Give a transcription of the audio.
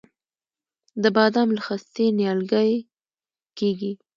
د بادام له خستې نیالګی کیږي؟